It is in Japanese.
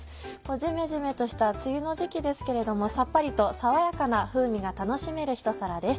ジメジメとした梅雨の時期ですけれどもさっぱりと爽やかな風味が楽しめるひと皿です。